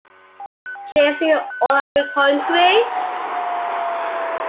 Chase you all over the country?